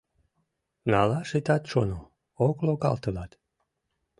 Налаш итат шоно, ок логал тылат.